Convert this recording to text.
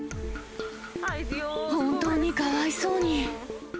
本当にかわいそうに。